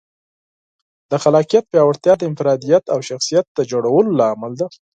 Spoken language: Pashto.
د خلاقیت پیاوړتیا د انفرادیت او شخصیت د جوړولو لامل ده.